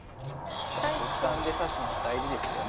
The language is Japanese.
直感で指すのは大事ですよね。